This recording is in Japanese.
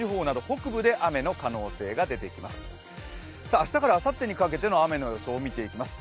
明日からあさってにかけての雨の予想を見ていきます。